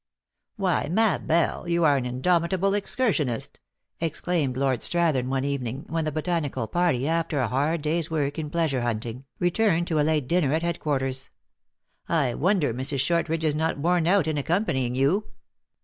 WHY, Ma belle, you are an indomitable excur sionist !" exclaimed Lord Strathern one evening, when the botanical party, after a hard day s work in plea sure hunting, returned to a late dinner at headquart ers. " I wonder Mrs. Shortridge is not worn out in accompanying you."